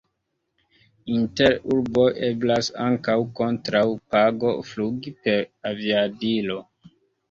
Inter urboj eblas ankaŭ kontraŭ pago flugi per aviadilo.